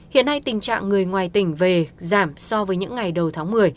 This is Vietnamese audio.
hiện nay tình trạng người ngoài tỉnh về giảm so với những ngày đầu tháng một mươi